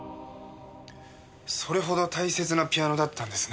それほど大切なピアノだったんですね。